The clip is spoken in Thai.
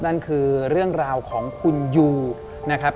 นั่นคือเรื่องราวของคุณยูนะครับ